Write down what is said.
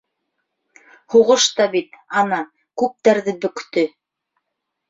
Һуғыш та бит, ана, күптәрҙе бөктө.